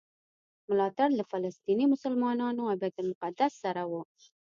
ملاتړ له فلسطیني مسلمانانو او بیت المقدس سره و.